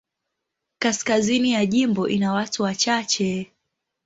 Kaskazini ya jimbo ina watu wachache.